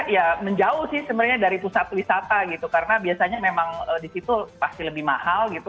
ya menjauh sih sebenarnya dari pusat wisata gitu karena biasanya memang di situ pasti lebih mahal gitu